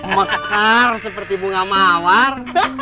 mekar seperti bunga mawar